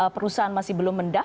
perusahaan masih belum mendapatkan